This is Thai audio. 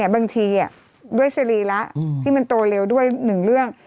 บางทีด้วยสรีระที่มันโตเร็วด้วย๑เรื่อง